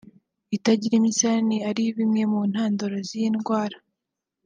itagira imisarani ari bimwe mu ntandaro z’iyi ndwara